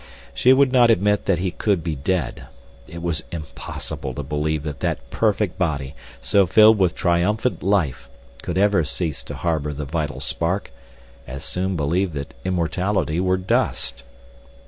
She would not admit that he could be dead. It was impossible to believe that that perfect body, so filled with triumphant life, could ever cease to harbor the vital spark—as soon believe that immortality were dust.